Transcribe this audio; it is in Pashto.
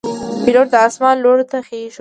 پیلوټ د آسمان لوړو ته خېژي.